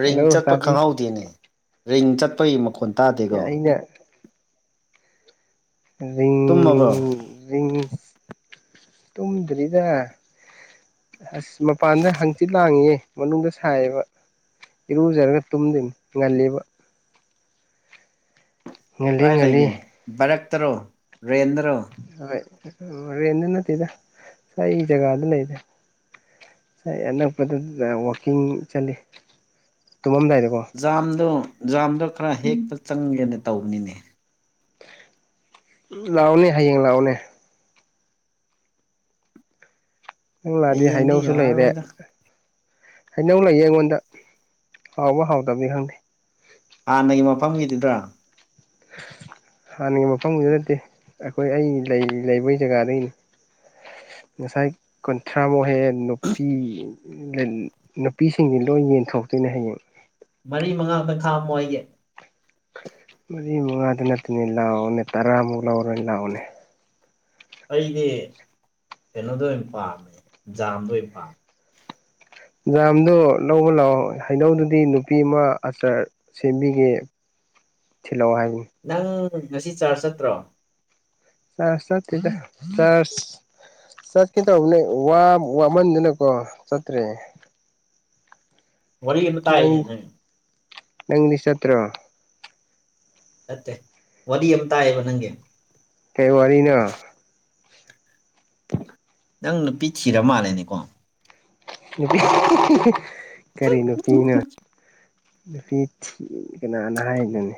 Ring hello ꯆꯠꯄ ꯇꯥꯕꯤ ꯈꯪꯍꯧꯗꯦꯅꯦ ꯔꯤꯡ ꯆꯠꯄꯒꯤ ꯃꯈꫭꯟ꯫ ꯀ ꯑꯩꯅ꯫ ꯔꯤꯡ ꯇꯨꯝꯃꯕꫭ꯫ ꯇꯨꯝ ꯗ꯭ꯔꯤꯗ꯫ ꯑꯁ ꯃꯄꯥꯟꯗ ꯍꯪꯆꯤꯠ ꯂꯥꯡꯉꯤꯌꯦ ꯃꯅꯨꯡꯗ ꯁꯥꯏꯌꯦꯕ꯫ ꯏꯔꯨꯖꯔꯒ ꯇꯨꯝꯗꫭꯏꯅꯤ ꯉꯜꯂꯤꯕ꯫ ꯉꯜꯂꯤ ꯀꯗꯥꯥꯏ ꯉꯜꯂꯤ ꯂꯩꯒꯦ ꯕꯥꯔꯛꯇꯔꯣ ꯔꯦꯟꯗꯔꯣ꯫ ꯍꯣꯏ ꯔꯦꯟꯗ ꯅꯠꯇꯦꯗ ꯁꯨꯋꯥꯏ ꯖꯒꯥꯗ ꯂꯩꯕꯅ‌ꯦ꯫ ꯁꯥꯏ ꯑꯅꯛꯄꯗꯨꯗ ꯋꯥꯛꯀꯤꯡ ꯆꯜꯂꯤ꯫ ꯖꯥꯝꯗꯣ ꯖꯥꯝꯗꯣ ꯈꯔ ꯍꯦꯛꯄ ꯆꯪꯒꯦꯅ ꯇꯧꯕꯅꯤꯅꯦ꯫ ꯂꯥꯎꯅꯦ ꯍꯌꯦꯡ ꯂꯥꯎꯅꯦ꯫ ꯅꯪ ꯂꯥꯛꯑꯗꯤ ꯍꯌꯦꯡꯗꯤ ꯍꯩꯅꯧꯁꯨ ꯂꯩꯔꯦ꯫ ꯌꯥꯔꯔꯣꯏꯗ ꯍꯩꯅꯧ ꯂꯩꯌꯦ ꯑꯩꯉꯣꯟꯗ ꯍꯥꯎꯕ ꯍꯥꯎꯇꯕꯗꯤ ꯈꯪꯗꯦ꯫ ꯍꯥꯟꯅꯒꯤ ꯃꯐꯝꯒꯤꯗꯨꯗ꯭ꯔꯥ꯫ ꯍꯥꯟꯅꯒꯤ ꯃꯐꯝꯗꯨꯗ ꯅꯠꯇꯦ ꯑꯈꯣꯏ ꯑꯩ ꯂꯩꯕꯒꯤ ꯖꯒꯥꯗꯒꯤꯅꯤ꯫ ꯫ [inaudible] ꯉꯁꯥꯏ ꯀꯨꯟꯊ꯭ꯔꯥꯃꯨꯛ ꯍꯦꯛꯑꯦ ꯅꯨꯄꯤ ꯅꯨꯄꯤꯁꯤꯡꯒꯤ ꯂꯣꯏ ꯌꯦꯟꯊꯣꯛꯇ꯫ ꯑꯩꯅ ꯍꯌꯦꯡ꯫ ꯃꯔꯤ ꯃꯉꯥꯗ ꯈꯥꯛꯑꯝꯃꯣ ꯑꯩꯒꯤ꯫ ꯃꯔꯤ ꯃꯉꯥꯗ ꯅꯠꯇ‌ꯦꯅ‌ꯦ ꯂꯥꯎꯑꯣꯅꯦ ꯇꯔꯥꯃꯨꯛ ꯂꯧꯔ ꯂꯥꯛꯑꯣꯅꯦ꯫ ꯑꯩꯗꯤ ꯀꯩꯅꯣꯗꫭ ꯑꯣꯏꯅ ꯄꯥꯝꯃꯦ ꯖꯥꯝꯗꯣ ꯑꯣꯏꯅ ꯄꯥꯝꯃꯦ꯫ ꯖꯝꯗꯣ ꯂꯧꯕ ꯂꯥꯛꯑꯣ ꯍꯩꯅꯧꯗꯨꯗꯤ ꯅꯨꯄꯤ ꯑꯃ ꯑꯆꯥꯔ ꯁꯦꯝꯕꯤꯒꯦ꯫ ꯫ [inaudible] ꯏꯂꫭ ꯍꯥꯏꯅꯤ꯫ ꯎꯝ ꯉꯁꯤ ꯆꯥꯔꯖ ꯆꯠꯇ꯭ꯔꯣ꯫ ꯆꯥꯔꯖ ꯆꯠꯇ‌ꯦꯗ꯫ ꯆꯠꯀ‌ꯦ ꯇꯧꯕꯅ‌ꯦ ꯋꯥ ꯋꯥꯃꯟꯗꯅꯀꯣ ꯆꯠꯇ꯭ꯔꯦ꯫ ꯋꯥꯔꯤ ꯑꯃ ꯇꯥꯏꯌ‌ꯦꯅ‌ꯦ ꯅꯪ꯫ ꯅꯪꯗꯤ ꯆꯠꯇ꯭ꯔꯣ꯫ ꯆꯠꯇꯦ ꯋꯥꯔꯤ ꯑꯃ ꯇꯥꯏꯌ‌ꯦꯕ ꯅꯪꯒꯦ꯫ ꯀꯩ ꯋꯥꯔꯤꯅꫭ꯫ ꯅꯪ ꯅꯨꯄꯤ ꯊꯤꯔ ꯃꯥꯜꯂꯦꯅꯦꯀꯣ꯫ ꯗꯤ ꯀꯔꯤꯅꯣ꯫ ꯫ [inaudible] ꯅꯨꯄꯤ ꯊꯤ ꯀꯅꯥꯅ ꯍꯥꯏꯅꯣꯅꯦ꯫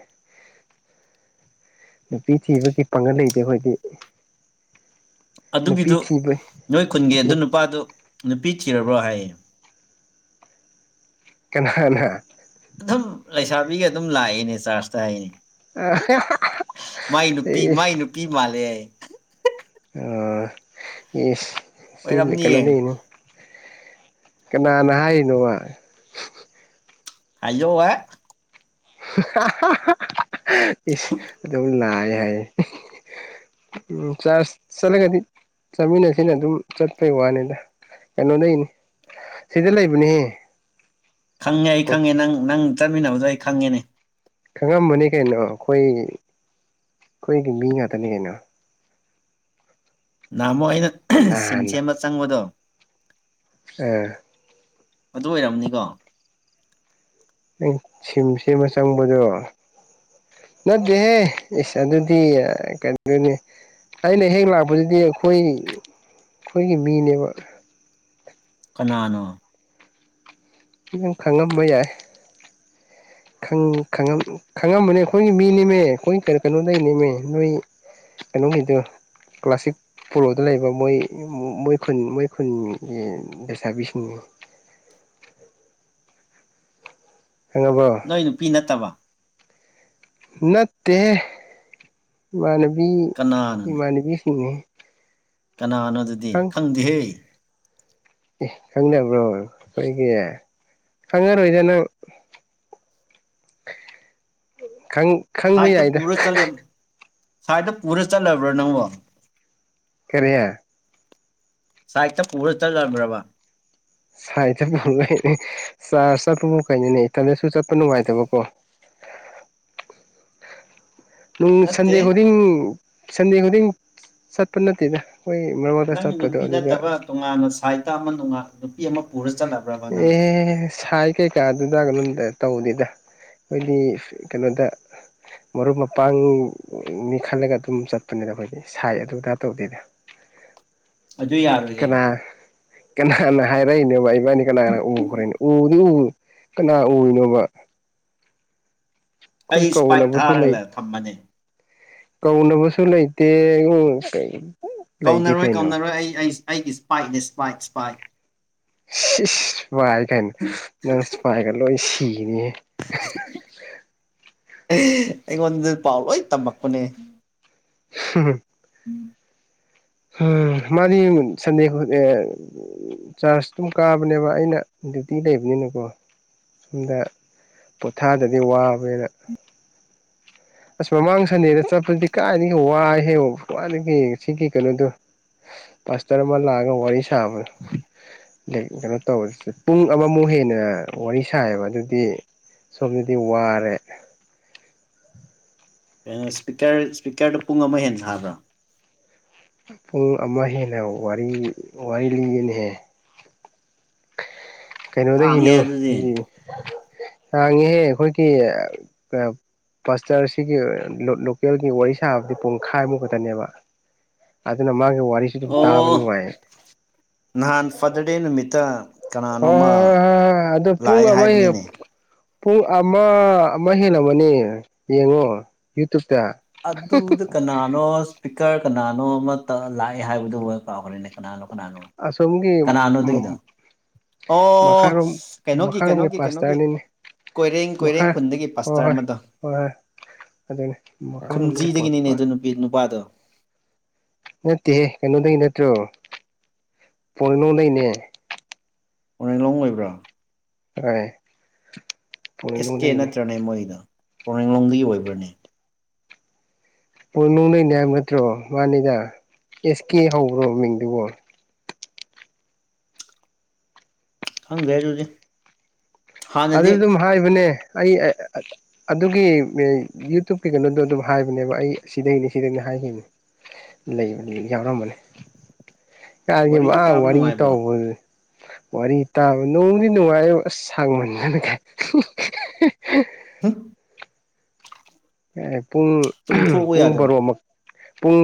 ꯅꯨꯄꯤ ꯊꯤꯕꯒꯤ ꯄꯥꯡꯒꯜ ꯂꯩꯇꯦ ꯑꯈꯣꯏꯗꯤ꯫ ꯑꯗꯨꯒꯤꯗꯨ ꯅꯣꯏ ꯈꯨꯟꯒꯤ ꯑꯗꯨ ꯅꯨꯄꯥꯗꯨ ꯅꯨꯄꯤ ꯊꯤꯔꯕ꯭ꯔꯣ ꯍꯥꯏꯌꯦ꯫ ꯀꯅꯥꯅ꯫ ꯑꯗꯨꯝ ꯂꯩꯁꯥꯕꯤꯒ ꯑꯗꯨꯝ ꯂꯥꯛꯑꯦꯅꯦ ꯆꯥꯔꯖꯇ ꯍꯥꯏꯌ‌ꯦ꯫ ꯃꯥꯏ ꯅꯨꯄꯤ ꯃꯥꯏ ꯅꯨꯄꯤ ꯃꯥꯜꯂꯦ ꯍꯥꯏꯌ‌ꯦ꯫ ꯑꯃꯥ ꯏꯁ ꯁꯤ ꯑꯣꯏꯔꯝꯅꯤꯌꯦ ꯀꯩꯅꫭꯗꯒꯤꯅꯤ꯫ ꯀꯅꯥ ꯍꯥꯏ ꯅꯣꯕꯥ ꯑꯌꯣ ꯏꯁ ꯑꯗꯨꯝ ꯂꯑ ꯍꯥꯏ ꯎꯝ ꯆꯥꯔꯖ ꯆꯠꯂꯒꯗꯤ ꯆꯥꯃꯤꯟꯅꯁꯤꯅ ꯑꯗꯨꯝ ꯆꯠꯄꯩ ꯋꯥꯅꯤꯗ ꯀꯩꯅꯣ ꯂꯩꯅꯤ ꯁꯤꯗ ꯂꯩꯕꯅꯦꯍ ꯈꯪꯉꯦ ꯑꯩ ꯈꯪꯉꯦ ꯅꯪ ꯅꯪ ꯆꯠꯃꯤꯟꯅꯕꯗꯣ ꯑꯩ ꯈꯪꯉꯦꯅꯦ ꯈꯪꯉꯝꯃꯅꯤ ꯀꯩꯅꯣ ꯑꯩꯈꯣꯏ ꯑꯩꯈꯣꯏꯒꯤ ꯃꯤ ꯉꯥꯛꯇꯅꯤ ꯀꯩꯅꯣ ꯅꯍꯥꯃꯣ ꯑꯩꯅ ꯁꯤꯝ ꯁꯦꯝꯕ ꯆꯪꯕꯗꯣ ꯎꯝ ꯑꯗꯨ ꯑꯣꯏꯔꯝꯅꯤꯀꯣ ꯎ ꯁꯤ ꯁꯤꯃ ꯆꯪꯕꯗꯣ ꯅꯗꯍꯦ ꯏꯁ ꯑꯗꯨꯗꯤ ꯀꯩꯅꯅꯤ ꯑꯩꯅ ꯍꯦꯛ ꯂꯥꯛꯄꯗꯨꯗꯤ ꯑꯩꯈꯣꯏ ꯑꯩꯈꯣꯏꯒꯤ ꯃꯤꯅꯦꯕ ꯀꯅꯅꯣ ꯅꯪ ꯈꯪꯉꯝꯕ ꯌꯥꯏ ꯈꯪꯉꯝꯕꯅꯦ ꯑꯩꯈꯣꯏꯒꯤ ꯃꯤꯅꯦꯝꯃꯦ ꯑꯩꯈꯣꯏ ꯀꯔꯤ ꯀꯩꯅꯣꯗꯒꯤꯅꯦꯃꯦ ꯅꯣꯏ ꯀꯩꯅꯣꯒꯤ ꯀ꯭ꯂꯁꯤꯛ ꯄꯣꯔꯣꯗ ꯂꯩꯕ ꯃꯣꯏ ꯃꯣꯏꯟ ꯃꯣꯏꯈꯨꯟꯒꯤ ꯂꯩꯁꯥꯕꯤꯁꯤꯡꯅꯤ ꯐ [inaudible] ꯈꯪꯉꯕꯣ ꯅꯣꯏ ꯅꯨꯄꯤ ꯅꯠꯇꯕ ꯅꯠꯇ ꯃꯅꯕꯤ ꯀꯅꯥꯅꯣꯅꯦ ꯏꯃꯥꯟꯕꯤꯁꯨ ꯀꯅꯥꯅꯣ ꯑꯗꯨꯗꯤ ꯈꯪꯗꯦꯍꯦ ꯑꯦ ꯈꯪꯅꯕ꯭ꯔꯣ ꯑꯩꯈꯣꯏꯒꯤ ꯈꯉꯥꯏꯔ ꯑꯣꯏꯣꯏꯗꯅ ꯇꯥꯗꯔꯦ [inaudible] ꯈꯪꯕ ꯁꯥꯏꯠꯇ ꯌꯥꯏꯗ ꯄꯨꯔ ꯆꯠꯂ ꯁꯥꯏꯠꯇ ꯄꯨꯔ ꯆꯠꯂꯕ꯭ꯔꯥ ꯅꯪꯉꯣ ꯀꯔꯤꯦ ꯁꯥꯏꯠꯇ ꯄꯨꯔ ꯆ ꯂꯩꯔꯕ ꯏꯄꯅꯦ ꯆꯠꯄꯕꯨ ꯀꯩꯅꯣꯅꯦ ꯏꯊꯟꯗꯁꯨ ꯆꯠꯄ ꯅꯨꯡꯉꯥꯏꯇꯕꯀꯣ ꯑꯣꯄꯥ ꯅꯨꯡ ꯁꯟꯗꯦ ꯈꯨꯗꯤꯡ ꯁꯟꯗꯦ ꯈꯨꯗꯤꯡ ꯆꯠꯄ ꯅꯠꯇꯦꯗ ꯃꯔꯛ ꯃꯔꯛꯇ ꯅꯪꯒꯤ ꯆꯠꯄꯗꯣ ꯅꯨꯄꯤ ꯑꯗꯨꯗ ꯅꯠꯇꯕ ꯇꯣꯉꯥꯟꯅ ꯁꯥꯏꯠꯇ ꯑꯃꯉ ꯅꯨꯄꯤ ꯑꯃ ꯄꯨꯔꯁꯤ ꯑꯦ ꯁꯥꯏ ꯀꯩꯀꯥꯗꯨꯗꯣꯝꯗ ꯇꯧꯅꯤꯗ ꯑꯩꯈꯣꯏꯗꯤ ꯀꯩꯅꯣꯗ ꯃꯔꯨꯞ ꯃꯄꯥꯡꯅꯤ ꯈꯜꯂꯒ ꯑꯗꯨꯝ ꯆꯠꯄꯅꯦ ꯑꯩꯈꯣꯏꯗꯤ ꯁꯥꯏ ꯑꯗꯨꯗꯥ ꯇꯧꯗꯦꯗ ꯑꯣꯏ ꯌꯥꯔ ꯔꯍꯦ ꯀꯅꯥ ꯀꯅꯥꯅ ꯍꯥꯏꯔꯛꯏꯅꯦ ꯕꯕꯥ ꯏꯕꯥꯅꯤ ꯀꯅꯥ ꯀꯅꯥ ꯎꯈ꯭ꯔꯦꯅꯦ ꯎꯗꯤ ꯎ ꯀꯅꯥ ꯑꯣꯏꯔꯤꯅꯣꯕ ꯑꯩ ꯏꯁꯄꯥꯏꯛ ꯊꯥꯔꯒꯂ ꯊꯝꯃꯅꯤ ꯀꯧꯅꯕꯨꯁꯂ ꯏꯇꯦ ꯎ ꯀ ꯀꯧꯅꯔꯣꯏ ꯀꯧꯅꯔꯣꯏ ꯑꯩ ꯑꯩ ꯑꯩꯒꯤ ꯏꯁꯄꯥꯏꯠꯅꯦ ꯏꯁꯄꯥꯏꯠ ꯏꯁꯄꯥꯏꯠ ꯄꯥꯏꯒꯅ ꯅꯪꯄꯥꯏꯒ ꯂꯣꯏ ꯁꯤꯅꯤ ꯑꯩꯉꯣꯟꯗ ꯄꯥꯎ ꯂꯣꯏ ꯇꯝꯃꯛꯄꯅꯦ ꯎ ꯎꯝ ꯃꯥꯗꯤ ꯁꯟꯗꯦ ꯆꯥꯔꯖ ꯑꯗꯨꯝ ꯀꯥꯕꯅꯦꯕ ꯑꯩꯅ ꯇꯤ ꯂꯩꯕꯅꯤ ꯅꯀꯣ ꯁꯨꯝꯝꯗ ꯄꯣꯊꯥꯗꯗꯤ ꯋꯥꯕꯅꯤꯅ ꯑꯁ ꯃꯃꯥꯡ ꯁꯟꯗꯦꯗ ꯆꯠꯄꯗꯨꯗꯤ ꯀꯥꯏꯗꯒꯤ ꯋꯥꯏꯍꯦ ꯋꯥꯏꯗꯒꯤ ꯁꯤꯒꯤ ꯀꯩꯅꯣꯗꯨꯣ ꯄꯥꯁꯇꯔ ꯃꯥ ꯂꯒꯦ ꯋꯥ ꯁꯥꯕ ꯀꯩꯅꯣ ꯇꯧꯕ ꯄꯨꯡ ꯑꯃꯃꯨꯛ ꯍꯦꯟꯅ ꯋꯥꯔꯤ ꯁꯥꯏꯌꯦꯕ ꯑꯗꯨꯗꯤ ꯁꯨꯝ ꯌꯗꯤ ꯋꯥꯔꯔꯦ ꯀꯩꯅꯣ ꯏꯁꯄꯤꯀꯔ ꯏꯁꯄꯤꯀꯔꯗꯨꯣ ꯄꯨꯡ ꯑꯃ ꯍꯦꯟꯅ ꯁꯥꯕ꯭ꯔꯥ ꯄꯨꯡ ꯑꯃ ꯍꯦꯟꯅ ꯋꯥꯔꯤ ꯋꯥꯔꯤ ꯂꯤꯌꯦꯅꯤꯍꯦ ꯍꯥꯡꯉꯦ ꯀꯩꯅꯣꯗꯒꯤꯅꯣ ꯑꯗꯨꯗꯤ ꯍꯥꯡꯉꯤꯍꯦ ꯑꯩꯈꯣꯏꯒꯤ ꯄꯁꯇꯔꯁꯤꯒꯤ ꯂꯣꯀꯦꯜꯒꯤ ꯋꯥꯔꯤ ꯁꯥꯕꯗꯤ ꯄꯨꯡꯈꯥꯏꯃꯨꯛ ꯈꯛꯇꯅꯦꯕ ꯑꯗꯨꯅ ꯃꯥꯒ ꯑꯣ ꯅꯍꯥꯟ ꯐꯗꯗꯦ ꯅꯨꯃꯤꯠꯇ ꯍꯣꯏ ꯍꯣꯏ ꯀꯅꯥꯅꯣꯃ ꯍꯣꯏ ꯍꯣꯏ ꯑꯗꯣ ꯄꯨꯡ ꯂꯥꯛꯑꯦ ꯑꯃ ꯍꯥꯏꯕꯅꯤꯅꯦ ꯄꯨꯡ ꯑꯃ ꯑꯃ ꯍꯦꯜꯂꯝꯃꯅꯦ ꯌꯦꯡꯉꯣ ꯌꯨꯇ꯭ꯌꯨꯕꯇ ꯑꯗꯨ ꯑꯗꯨꯗ ꯀꯅꯥꯅꯣ ꯏꯁꯄꯤꯀꯔ ꯀꯅꯥꯅꯣ ꯑꯃꯇ ꯂꯥꯛꯑꯦ ꯍꯥꯏꯕꯗꯨꯃ ꯀꯥꯎꯈꯂꯤꯅꯦ ꯀꯅꯥꯅꯣ ꯀꯅꯥꯅꯣ ꯑꯁꯣꯝꯒꯤ ꯀꯅꯥꯅꯣꯗꯨꯒꯤꯗ ꯑꯣ ꯃꯈꯥꯔꯣꯝ ꯀꯩꯅꯣꯒꯤ ꯃꯈꯥꯔꯣꯝꯒꯤ ꯀꯩꯅꯣꯒꯤ ꯀꯩꯅꯣꯒꯤ ꯄꯥꯁꯇꯔꯅꯤꯅꯦ ꯀꯣꯏꯔꯦꯡ ꯀꯣꯏꯔꯦꯡ ꯃꯈꯥ ꯈꯨꯟꯗꯒꯤ ꯄꯥꯁꯇꯔ ꯑꯃꯗꯣ ꯑꯗꯨꯗꯅꯦ ꯈꯨꯝꯖꯤꯗꯒꯤꯅꯤꯅꯦ ꯑꯗꯨ ꯅꯨꯄꯤ ꯅꯨꯄꯥꯗꯣ ꯅꯠꯇꯦꯍꯦ ꯀꯩꯅꯣꯗꯩ ꯅꯠꯇ꯭ꯔꯣ ꯄꯣꯅꯅꯨꯡꯗꯅꯦ ꯑꯣꯔꯂꯣꯡ ꯑꯣꯏꯕ꯭ꯔꯥ ꯍ ꯑꯦꯁ ꯀꯦ ꯅꯠꯇ꯭ꯔꯅꯦ ꯃꯣꯏꯗ ꯄꯣꯡꯂꯡꯂꯣꯡꯗꯒꯤ ꯑꯣꯏꯕ꯭ꯔꯅꯤ ꯄꯣꯏꯅꯅꯨꯡ ꯅꯅꯦ ꯍꯥꯏ ꯅꯠꯇ꯭ꯔꯣ ꯃꯥꯅꯦꯗ ꯑꯦꯁ ꯀꯦ ꯍꯧꯕ꯭ꯔꯣ ꯃꯤꯡꯗꯨꯕꯣ ꯊꯪꯒꯦ ꯇꯗꯤ ꯑꯗꯨ ꯑꯗꯨꯝ ꯍꯥꯏꯕꯅꯦ ꯑꯩ ꯑꯗꯨꯒꯤ ꯌꯨꯇꯨꯞꯀꯤ ꯀꯩꯅꯣꯗꯣ ꯑꯗꯨꯝ ꯍꯥꯏꯕꯅꯦꯕ ꯑꯩ ꯁꯤꯗꯩꯅꯤ ꯁꯤꯗꯩꯅꯤ ꯍꯥꯏ ꯍꯥꯏꯈꯤꯕꯅꯤ ꯂꯩ ꯌꯥꯎꯔꯝꯕꯅꯤ ꯌꯥꯔꯒꯤꯦ ꯃꯥ ꯋꯥꯔꯤꯗꯣ ꯇꯥꯕ ꯋꯥꯔꯒꯇꯣ ꯅꯨꯡꯉꯥꯏꯕ꯭ꯔꯣ ꯑꯣꯏ ꯋꯥꯔꯤ ꯇꯥꯕ ꯅꯅꯨꯡꯗꯤ ꯅꯨꯡꯉꯥꯏ ꯑꯁ ꯁꯥꯡꯃꯟꯗꯅ ꯍꯥ ꯄꯨꯡ ꯇꯨꯝꯊꯣꯛꯎ ꯄꯨꯡ ꯌꯥꯗ꯭ꯔꯣ ꯕꯥꯔꯣ ꯑꯃꯨ ꯄꯨꯡ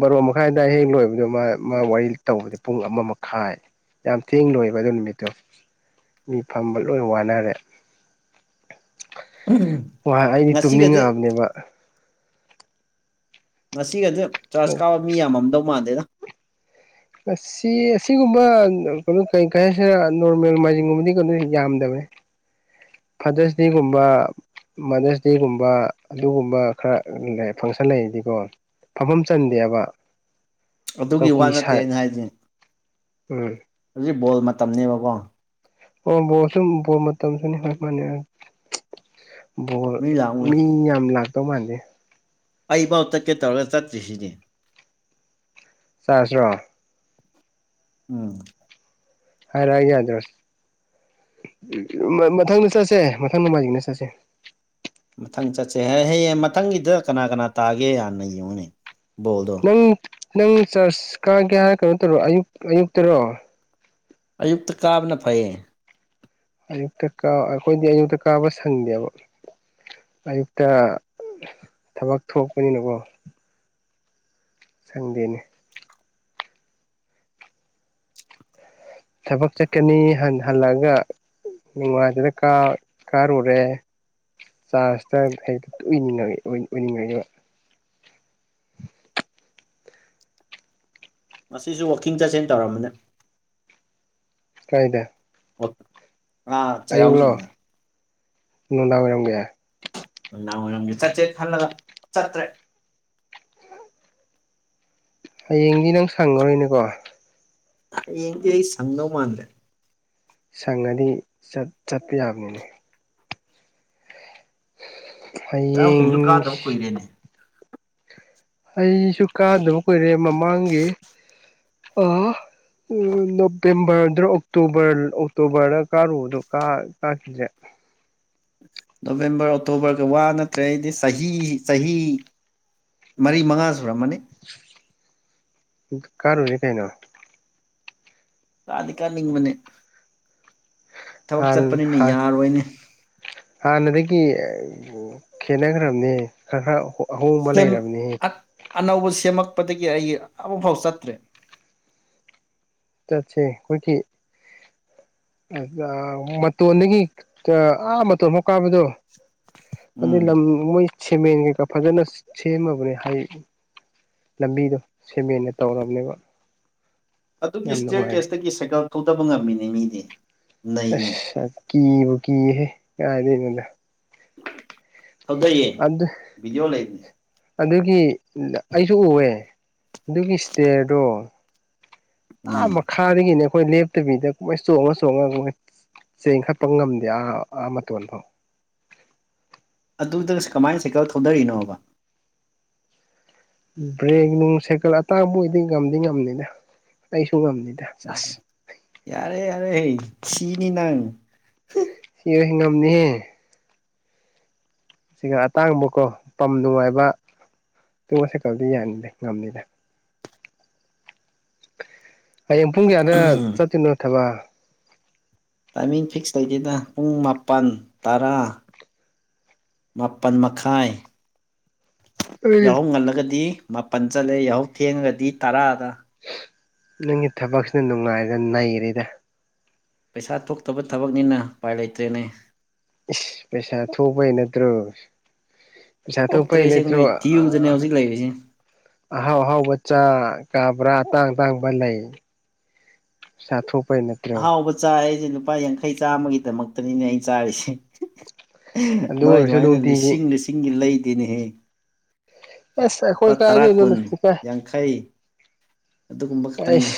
ꯕꯥꯔꯣ ꯃꯈꯥꯏꯗꯋꯥꯏ ꯍꯦꯛ ꯂꯣꯏꯕꯗ ꯃꯥ ꯃꯥ ꯋꯥꯔꯤ ꯇꯧꯕꯗ ꯄꯨꯡ ꯑꯃ ꯃꯈꯥꯏ ꯌꯥꯝ ꯊꯦꯡ ꯂꯣꯏꯕ ꯑꯗꯨ ꯅꯨꯃꯤꯠꯇꯣ ꯃꯤ ꯐꯝꯕ ꯂꯣꯏ ꯋꯥꯅꯔꯦ [unintelligible] ꯍꯣꯏ ꯑꯩꯗꯤ ꯉꯁꯤꯒꯗꯤ ꯇꯨꯝꯅꯤꯡꯉꯛꯕ ꯑ ꯉꯁꯤꯒꯗꯤꯦ ꯆꯥꯔꯖ ꯀꯥꯕ ꯃꯤ ꯌꯥꯝꯃꯝꯗꯧ ꯃꯥꯟꯗꯦꯅ ꯑꯁꯤꯒꯨꯝꯕ ꯀꯩꯅꯣ ꯀꯩ ꯀ ꯍꯥꯏꯁꯤꯔ ꯅꯣꯔꯃꯦꯜ ꯃꯥꯏꯖꯤꯡꯒꯨꯝꯕꯗꯤ ꯀꯩꯅꯣ ꯌꯥꯝꯗꯕꯅꯤ [unintelligible] ꯐꯥꯗꯔꯁ ꯗꯦꯒꯨꯝꯕ ꯃꯥꯗꯔꯁ ꯗꯦꯒꯨꯝꯕ ꯑꯗꯨꯒꯨꯝꯕ ꯈꯔ ꯐꯪꯁꯟ ꯂꯩꯔꯗꯤꯀꯣ ꯐꯝꯐꯝ ꯆꯟꯗꯦꯕ ꯑꯗꯨꯒꯤ ꯋꯥ ꯆꯧꯀꯤ ꯅꯠꯇꯦ ꯁꯥꯏ ꯑꯩꯅ ꯍꯥꯏꯁ ꯎꯝ ꯍꯧꯖꯤꯛ ꯕꯣꯜ ꯃꯇꯝꯅꯤꯅꯦꯕꯀꯣ ꯑꯣ ꯕꯣꯔꯁꯨꯕ ꯃꯇꯝꯁꯨꯅꯤ ꯍꯣꯏ ꯃꯥꯅꯤ ꯕꯣ ꯃꯤ ꯌꯥꯝ ꯂꯥꯛꯇꯧ ꯃꯥꯥꯟꯂꯦ ꯑꯩꯐꯥꯎ ꯆꯠꯀꯦ ꯇꯧꯔꯒ ꯆꯠꯇ꯭ꯔꯤꯁꯤꯅꯦ ꯆꯁ꯭ꯔꯣ ꯎꯝ ꯍ ꯔꯦ ꯌꯥꯗ꯭ꯔꯣ ꯃꯊꯪꯗ ꯆꯠꯁꯦ ꯃꯊꯪ ꯅꯃꯥꯏꯖꯅ ꯆꯠꯁꯦ ꯃꯊꯪ ꯆꯠꯁꯦ ꯍ ꯍꯌꯦꯡ ꯃꯊꯪꯒꯤꯗ ꯀꯅꯥ ꯀꯅꯥ ꯇꯥꯒꯦ ꯍꯥꯟꯅ ꯌꯦꯡꯉꯨꯅꯦ ꯣꯗꯣ ꯅꯪ ꯅꯪ ꯆꯥꯔꯆ ꯀꯥꯒꯦ ꯍꯥꯏ ꯀꯩꯅꯣ ꯇꯧꯔꯣ ꯑꯌꯨꯛ ꯑꯌꯨꯛꯇꯔꯣ꯫ ꯑꯌꯨꯛꯇ ꯀꯥꯕꯅ ꯐꯩꯌꯦ꯫ ꯑꯌꯨꯛꯇ ꯀꯥ ꯑꯈꯣꯏꯗꯤ ꯑꯌꯨꯛꯇ ꯀꯥꯕ ꯁꯪꯗꯦꯕ꯫ ꯑꯌꯨꯛꯇ ꯊꯕꯛ ꯊꯣꯛꯄꯅꯤꯅꯀꯣ꯫ ꯁꯪꯗꯦꯅꯦ꯫ ꯊꯕꯛ ꯆꯠꯀꯅꯤ ꯍꯟ ꯍꯜꯂꯛꯑꯒ ꯅꯤꯡꯋꯥꯗꯨꯗ ꯀꯥ ꯀꯥꯔꯨꯔꯦ꯫ ꯆꯥꯔꯖꯇ ꯍꯅꯤꯡ ꯑꯣꯏꯅꯤꯡꯉꯛꯏꯕ꯫ [inaudible] ꯉꯁꯤꯁꯨ ꯋꯥꯛꯀꯤꯡ ꯆꯠꯁꯤꯟ ꯇꯧꯔꯝꯕꯅꯦ꯫ ꯀꯥꯏꯗ꯫ ꯋꯛ ꯑꯥ ꯑꯌꯨꯛꯂꯣ ꯆꯩꯔꯥꯎꯆꯤꯡꯗ꯫ ꯅꯨꯡꯗꯥꯡ ꯋꯥꯏꯔꯝꯒꯦ꯫ ꯅꯨꯡꯗꯥꯡꯋꯥꯏꯔꯝꯒꯤ ꯆꯠꯁꯦ ꯈꯜꯒ ꯆꯠꯇ꯭ꯔꯦ꯫ ꯍꯌꯦꯡꯗꯤ ꯅꯪ ꯁꯪꯑꯔꯣꯏꯅꯦꯀꯣ꯫ ꯍꯌꯦꯡꯗꯤ ꯑꯩ ꯁꯪꯗꯧ ꯃꯥꯟꯗꯦ꯫ ꯁꯪꯑꯗꯤ ꯆꯠ ꯆꯠꯄ ꯌꯥꯕꯅꯤꯅꯦ꯫ ꯆꯩꯔꯥꯎꯆꯤꯡꯁꯨ ꯀꯥꯗꯕ ꯍꯌꯦꯡꯁ ꯀꯨꯏꯔꯦꯅꯦ ꯑꯩꯁꯨ ꯀꯥꯗꯕ ꯀꯨꯏꯔꯦ ꯃꯃꯥꯡꯒꯤ ꯑꯥ ꯎ ꯅꯣꯕꯦꯝꯕꯔꯗ ꯑꯣꯛꯇꯣꯕꯔ ꯑꯣꯛꯇꯣꯕꯔꯗ ꯀꯥꯔꯨꯕꯗꯣ ꯀꯥ ꯀꯥꯈꯤꯗ꯭ꯔꯦ꯫ ꯅꯣꯕꯦꯝꯕꯔ ꯑꯣꯛꯇꯣꯕꯔꯒ ꯋꯥ ꯅꯠꯇ꯭ꯔꯦ ꯑꯩꯗꯤ ꯆꯍꯤ ꯆꯍꯤ ꯃꯔꯤ ꯃꯉꯥ ꯁꯨꯔꯝꯑꯅꯤ꯫ ꯀꯥꯔꯨꯔꯦ ꯀꯩꯅꯣ꯫ ꯀꯥꯗꯤ ꯀꯥꯅꯤꯡꯕꯅꯦ꯫ ꯊꯕꯛ ꯍꯥꯟ ꯆꯠꯄꯅꯤꯅ ꯍꯥꯟ ꯌꯥꯔꯣꯏꯅꯦ꯫ ꯒꯤ ꯈꯦꯅꯈ꯭ꯔꯝꯅꯦ ꯈ ꯈ꯭ꯔ꯫ ꯀꯩꯝ ꯑ ꯑꯅꯧꯕ ꯁꯦꯝꯃꯛ ꯄꯗꯒꯤ ꯑꯩꯒꯤ ꯑꯃꯨꯛꯐꯥꯎ ꯆꯠꯇ꯭ꯔꯤ꯫ ꯆꯠꯁꯦ ꯈꯣꯏꯗꯤ ꯑꯒ ꯃꯇꫭꯟꯗꯒꯤ ꯇ ꯑꯥ ꯃꯇꫭꯟꯚꯧ ꯀꯥꯕꯗꯣ ꯑꯗꯨ ꯎꯝ ꯂꯝ ꯃꯣꯏ ꯁꯤꯃꯦꯟ ꯀꯩꯀꯥ ꯐꯖꯅ ꯁꯦꯝꯑꯕꯅꯦ ꯍꯩ ꯂꯝꯕꯤꯗꯣ ꯁꯦꯝꯃꯦꯅ ꯇꯧꯔꯕꯅꯦꯕ꯫ ꯑꯗꯨꯒꯤ ꯌꯥꯝ ꯏꯁꯇꯤꯌꯦꯔ ꯅꯨꯡꯉꯥꯏꯕ ꯀꯦꯁꯗꯒꯤ ꯁꯥꯏꯀꯜ ꯊꯧꯗꯕ ꯉꯝꯃꯤꯅꯦ ꯃꯤꯗꯤ꯫ ꯅꯩꯅꯦ ꯑꯁ ꯀꯤꯕꯨ ꯀꯤꯌꯦꯍꯦ ꯀꯥꯏꯗꯩꯅꫭꯗ꯫ ꯊꯧꯗꯩꯌꯦ ꯕꯤꯗꯤꯑꯣ ꯂꯩ ꯑꯗꯨꯒꯤ ꯑꯩꯁꯨ ꯎꯑꯦ ꯑꯗꯨꯒꯤ ꯏꯁꯇꯦꯔꯗꯣ ꯑꯥ ꯎꯝ ꯃꯈꯥꯗꯒꯤꯅꯦ ꯑꯩꯈꯣꯏ ꯂꯦꯞꯇꯕꯤꯗ ꯃꯣꯏ ꯆꯣꯡꯉ ꯆꯣꯡꯉꯒ ꯃꫭꯏ꯫ ꯆꯦꯡ ꯈꯠꯄ ꯉꯝꯗꯦ ꯑꯥ ꯑꯥ ꯃꯇꯣꯟ ꯐꯥꯎ꯫ [inaudible] ꯑꯗꯨꯗ ꯀꯃꯥꯏꯅ ꯁꯥꯏꯀꯜ ꯊꯧꯗꯔꯤꯅꯣꯕ꯫ ꯕ꯭ꯔꯦꯛ ꯅꯨꯡ ꯁꯥꯏꯀꯜ ꯑꯇꯥꯡꯕ ꯑꯣꯏꯗꯤ ꯉꯝꯗꯤ ꯉꯝꯅꯤꯗ ꯑꯩꯁꯨ ꯉꯝꯅꯤ꯫ ꯌꯥꯔꯦ-ꯌꯥꯔꯦ ꯁꯤꯅꯤ ꯅꯪ꯫ ꯑꯦ ꯉꯝꯅꯤꯍꯦ꯫ ꯁꯤꯒ ꯑꯇꯥꯡꯕꯀꯣ ꯄꯝ ꯅꯨꯡꯉꯥꯏꯕ꯫ ꯇꯨꯒꯨꯝꯕ ꯁꯥꯏꯀꯜꯗꯤ ꯌꯥꯅꯤꯗ ꯉꯝꯅꯤꯗ꯫ ꯍꯌꯦꯡ ꯄꯨꯡ ꯀꯌꯥꯗ ꯆꯠꯇꯣꯏꯅꯣ ꯊꯕ꯫ ꯇꯥꯏꯃꯤꯡ ꯐꯤꯛꯁ ꯂꯩꯇꯦꯗ ꯄꯨꯡ ꯃꯥꯄꯟ ꯇꯔꯥ꯫ ꯃꯥꯄꯟ ꯃꯈꯥꯏ ꯌꯥꯍꯧ ꯉꯜꯂꯒꯗꯤ ꯃꯥꯄꯜ ꯆꯠꯂꯦ ꯌꯥꯍꯧ ꯊꯦꯡꯉꯒꯗꯤ ꯇꯔꯥꯗ꯫ ꯅꯪꯒꯤ ꯊꯕꯛꯁꯤꯅ ꯅꯨꯡꯉꯥꯏꯔꯒ ꯅꯩꯔꯤꯦꯗ ꯄꯩꯁꯥ ꯊꯣꯛꯇꯕ ꯊꯕꯛꯅꯤꯅ ꯎꯄꯥꯏ ꯂꯩꯇ꯭ꯔꯦꯅꯦ ꯄꯩꯁꯥ ꯊꯣꯛꯄ ꯍꯥꯏ ꯅꯠꯇ꯭ꯔꯣ ꯁꯥꯥ ꯊ ꯄꯥꯏ ꯊꯣꯛꯇ꯭ꯔꯦ ꯅꯠꯇ꯭ꯔꯣ ꯑꯁꯦꯡꯕꯩ ꯗ꯭ꯌꯨꯗꯅꯦ ꯍꯧꯖꯤꯛ ꯂꯩꯔꯤꯁꯦ ꯑꯍꯥꯎ ꯑꯍꯥꯎ ꯕꯆꯆꯥ ꯀꯕ꯭ꯔꯥ ꯇꯥꯡ ꯇꯥꯡꯕ ꯂꯩ ꯁꯥꯊꯣꯛ ꯑꯍꯥꯎꯕ ꯆꯥꯏ ꯑꯩꯁꯦ ꯂꯨꯄꯥ ꯌꯥꯡꯈꯩ ꯆꯥꯝꯃꯒꯤꯗꯃꯛꯇꯅꯤꯅꯦ ꯑꯩ ꯆꯥꯔꯤꯁꯦ ꯑꯗꯨ ꯅꯥꯏ ꯑꯣꯏꯔꯁꯨ ꯑꯗꯨꯃꯥꯏꯅ ꯅꯨꯡꯇꯤꯒꯤ ꯂꯤꯁꯤꯡ ꯂꯤꯁꯤꯡꯒꯤ ꯂꯩꯗꯤꯅꯦꯍꯦ ꯑꯁ ꯂꯨꯄꯥ ꯑꯩꯈꯣꯏ ꯇꯔꯥ ꯀꯨꯟ ꯀꯥꯏꯗꯩꯅꯣꯗ ꯏꯀꯥꯏ ꯌꯥꯡꯈꯩ ꯑꯗꯨꯒꯨꯝꯕ ꯈꯛꯇꯪꯅꯤ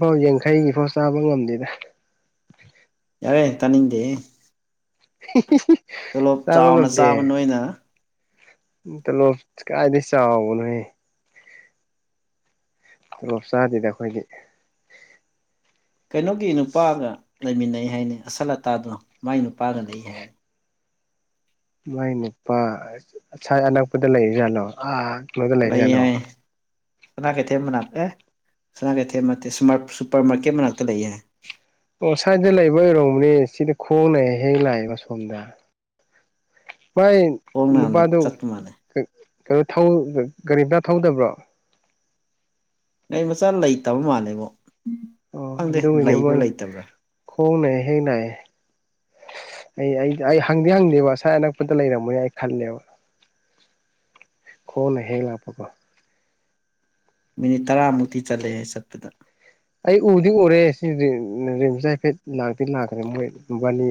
ꯐꯥꯎ ꯌꯥꯡꯈꯩꯒꯤꯐꯥꯎ ꯆꯥꯕ ꯉꯝꯗꯦꯗ ꯌꯥꯔꯦ ꯇꯅꯤꯡꯗꯤ ꯇꯣꯂꯣꯞ ꯆꯥꯎꯅ ꯆꯥꯕ ꯅꯣꯏꯅ ꯇ ꯂꯣ ꯀꯥꯏꯗꯁ ꯆꯕ ꯅꯍꯦ ꯇꯣꯂꯣꯞ ꯆꯥꯁꯤꯗ ꯑꯩꯈꯣꯏꯗꯤ ꯀꯩꯅꯣꯒꯤ ꯅꯨꯄꯥꯒ ꯂꯩꯃꯤꯟꯅꯩ ꯍꯥꯏꯅꯤ ꯑꯁꯜ ꯑꯇꯥꯗꯣ ꯃꯥꯏ ꯅꯨꯄꯥꯒ ꯂꯩ ꯍꯥꯏꯅꯤ ꯃꯥꯏ ꯅꯨꯄꯥ ꯉꯁꯥꯏ ꯑꯅꯛꯄꯗ ꯂꯩꯔꯤꯖꯥꯠꯅꯣ ꯃꯗꯂ ꯂꯩ ꯍꯥꯏꯖꯂꯣ ꯍꯥꯏ ꯁꯅꯥ ꯀꯩꯊꯦꯜ ꯃꯅꯥꯛꯛꯇ ꯑꯦ ꯁꯅꯥ ꯀꯩꯊꯦꯜ ꯁꯨꯄꯔ ꯃꯥꯔꯀꯦꯠ ꯃꯅꯥꯛꯇ ꯂꯩꯌꯦꯦ ꯑꯣ ꯁ꯭ꯋꯥꯏꯗ ꯂꯩꯕ ꯑꯣꯏꯔꯣꯕꯅꯦ ꯁꯤꯗꯤ ꯈꯣꯡꯅ ꯍꯦꯛ ꯍꯦꯛ ꯂꯥꯛꯑꯦꯕ ꯁꯣꯝꯗ ꯃꯥꯏ ꯈꯣꯡꯅ ꯅꯨꯄꯥꯗꯨꯩꯅꯣ ꯆꯠꯄ ꯃꯥꯜꯂꯦ ꯀꯒꯥꯔꯤꯝꯇ ꯊꯧꯗꯕ꯭ꯔꯣ ꯅ ꯃꯆꯥ ꯂꯩꯇꯕ ꯃꯥꯜꯂꯦꯕꯛ ꯈꯪꯗꯦ ꯂꯩꯕ꯭ꯔꯥ ꯂꯩꯇꯕ꯭ꯔꯥ ꯍꯅꯦ ꯍꯅ ꯑꯩ ꯑꯩꯗꯤ ꯑꯩ ꯍꯪꯗꯦ ꯍꯪꯗꯦꯕ ꯉꯁꯥꯏ ꯑꯅꯛꯄꯗ ꯂꯩꯔꯝꯃꯅꯦ ꯑꯩ ꯈꯜꯂꯦꯕ ꯈꯣꯡꯅ ꯍꯦꯛ ꯂꯥꯛꯄꯀꯣ ꯃꯤꯅꯤꯠ ꯇꯔꯥꯃꯨꯛꯇꯤ ꯆꯠꯂꯦ ꯍꯥꯏ ꯆꯠꯄꯗ ꯑꯩ ꯎꯗꯤ ꯎꯔꯦ ꯁꯤꯔꯤꯝꯁ ꯍꯥꯏꯐꯦꯠ ꯂꯥꯛꯇꯤ ꯂꯥꯛꯈ꯭ꯔꯦ ꯃꯣꯏꯕꯥꯅꯤ